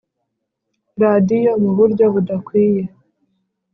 radiyo mu buryo budakwiye